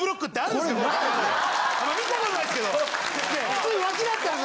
見たことないですけど普通脇だったんです。